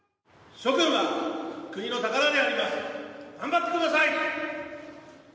諸君は国の宝であります、頑張ってください！